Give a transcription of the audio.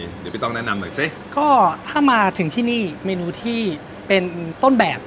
เดี๋ยวพี่ต้องแนะนำหน่อยสิก็ถ้ามาถึงที่นี่เมนูที่เป็นต้นแบบ